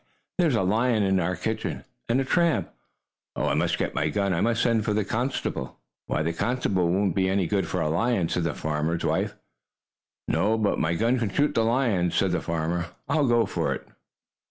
There's a lion in our kitchen, and a tramp! Oh, I must get my gun! I must send for the constable!" "The constable won't be any good for a lion," said the farmer's wife. "No, but my gun can shoot the lion," said the farmer. "I'll go for it."